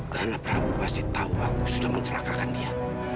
karena prabu pasti tahu aku sudah mencerakakan dia